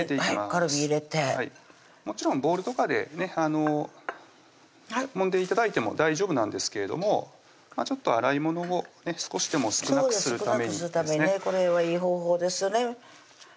カルビ入れてもちろんボウルとかでもんで頂いても大丈夫なんですけれどもちょっと洗い物を少しでも少なくするためにこれはいい方法ですよね